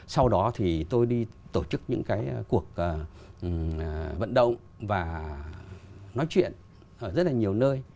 sau đó thì tôi đi tổ chức những cái cuộc vận động và nói chuyện ở rất là nhiều nơi